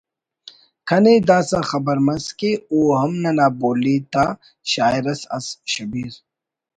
کنے داسہ خبر مس کہ او ہم ننا بولی تا شاعر اس ئس …… شبیر